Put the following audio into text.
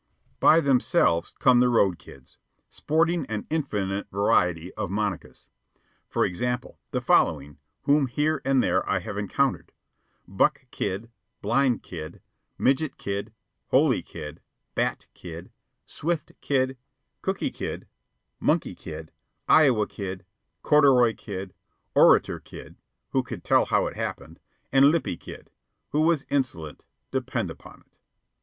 By themselves come the road kids, sporting an infinite variety of monicas. For example, the following, whom here and there I have encountered: Buck Kid, Blind Kid, Midget Kid, Holy Kid, Bat Kid, Swift Kid, Cookey Kid, Monkey Kid, Iowa Kid, Corduroy Kid, Orator Kid (who could tell how it happened), and Lippy Kid (who was insolent, depend upon it).